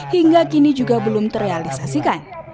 hingga kini juga belum terrealisasikan